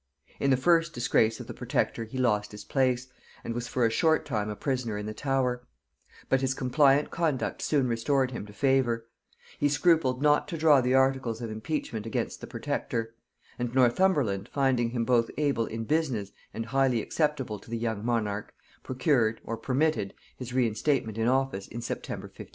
In the first disgrace of the protector he lost his place, and was for a short time a prisoner in the Tower; but his compliant conduct soon restored him to favor: he scrupled not to draw the articles of impeachment against the protector; and Northumberland, finding him both able in business and highly acceptable to the young monarch, procured, or permitted, his reinstatement in office in September 1550.